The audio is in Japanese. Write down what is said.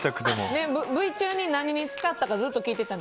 Ｖ中に何に使ったか聞いてた。